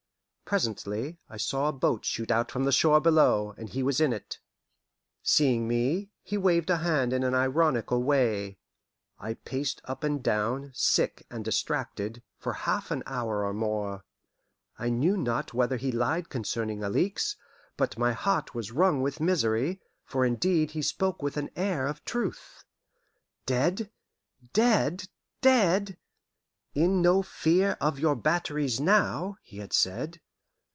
Presently I saw a boat shoot out from the shore below, and he was in it. Seeing me, he waved a hand in an ironical way. I paced up and down, sick and distracted, for half an hour or more. I knew not whether he lied concerning Alixe, but my heart was wrung with misery, for indeed he spoke with an air of truth. Dead! dead! dead! "In no fear of your batteries now," he had said.